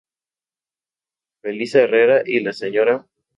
Felisa Herrera, y la Sra.